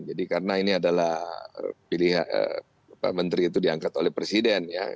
jadi karena ini adalah pilihan pak menteri itu diangkat oleh presiden ya